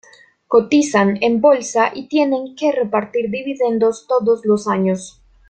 Cotizan en bolsa y tienen que repartir dividendos todos los años.